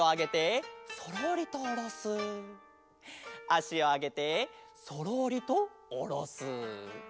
あしをあげてそろりとおろす。